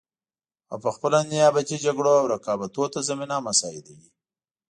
او پخپله نیابتي جګړو او رقابتونو ته زمینه مساعدوي